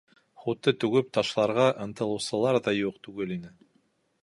Һутты түгеп ташларға ынтылыусылар ҙа юҡ түгел ине.